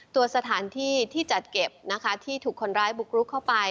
สถานที่ที่จัดเก็บนะคะที่ถูกคนร้ายบุกรุกเข้าไป